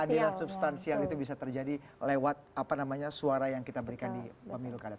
keadilan substansial itu bisa terjadi lewat apa namanya suara yang kita berikan di pemilu kadar